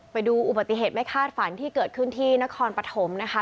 ไปดูอุบัติเหตุไม่คาดฝันที่เกิดขึ้นที่นครปฐมนะคะ